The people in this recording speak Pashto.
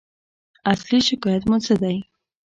اصلي شکایت مو څه دی؟